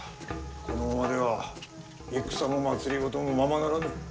このままでは戦も政もままならぬ。